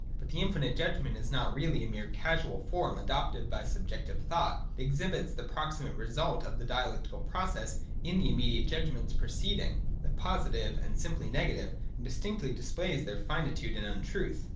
But the infinite judgment is not really a mere casual form adopted by subjective thought. It exhibits the proximate result of the dialectical process in the immediate judgments preceding 173, 174 j JUDGMENTS OF REFLECTION. 307 (the positive and simply negative), and distinctly displays their finitude and untruth.